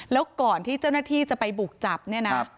แล้วก่อนที่เจ้าหน้าที่จะไปบุกจับเนี่ยนะ